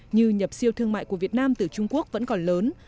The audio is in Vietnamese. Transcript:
như nhập siêu thương mại của việt nam từ trung quốc vẫn còn lớn